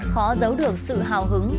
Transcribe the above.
khó giấu được sự hào hứng